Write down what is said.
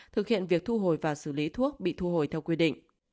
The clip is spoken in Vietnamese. thực hiện việc thu hồi và xử lý thuốc bị thu hồi theo quy định